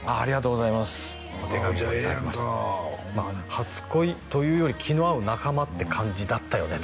「初恋というより気の合う仲間って感じだったよね」と